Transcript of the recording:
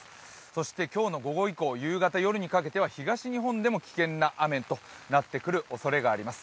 そして今日の午後以降、夕方夜にかけては東日本でも危険な雨となってくるおそれがあります。